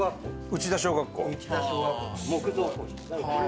内田小学校です。